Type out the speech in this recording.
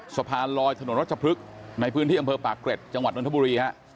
สะพานลอยถนนรัชพฤกษ์ในพื้นที่อำเภอปากเกร็ดจังหวัดนทบุรีฮะ